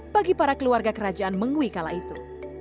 bagi para keluarga kerajaan mengui kala itu